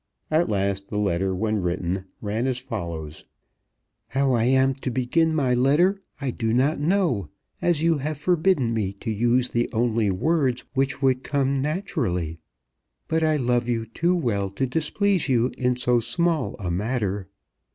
At last the letter, when written, ran as follows; How I am to begin my letter I do not know, as you have forbidden me to use the only words which would come naturally. But I love you too well to displease you in so small a matter.